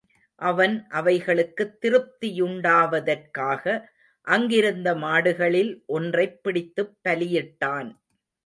அவன் அவைகளுக்குத் திருப்தியுண்டாவதற்காக அங்கிருந்த மாடுகளில் ஒன்றைப் பிடித்துப் பலியிட்டான்.